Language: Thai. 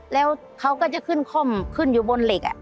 แล้วเขาก็จะขึ้นค่อมขึ้นอยู่บนเหล็ก